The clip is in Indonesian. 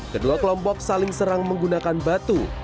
kedua kelompok saling serang menggunakan batu